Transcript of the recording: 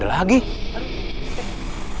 suaranya di sana